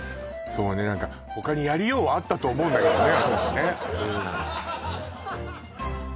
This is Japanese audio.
そうね何か他にやりようはあったと思うんだけどね